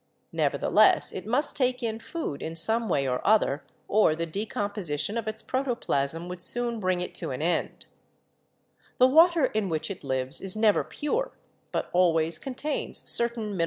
Nevertheless it must take in food in some way or other or the decomposition of its protoplasm would soon bring it to an end. The water in which it lives is never pure, but always contains certain mineral (c7it Fig. II HAEMATOCOCCUS. c. w., cell wall; chr.